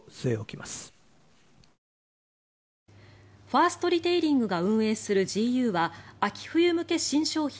ファーストリテイリングが運営するＧＵは秋冬向け新商品